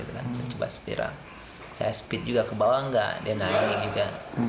saya coba spiral saya speed juga ke bawah enggak dia naik juga